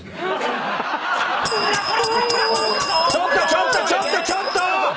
ちょっとちょっとちょっと！